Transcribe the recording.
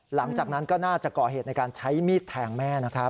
หลังจากนั้นก็น่าจะก่อเหตุในการใช้มีดแทงแม่นะครับ